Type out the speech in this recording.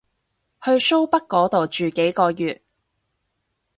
去蘇北嗰度住幾個月